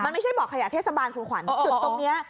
มันไม่ใช่บ่อขยะเทศบาลคุณขวัญจุดตรงนี้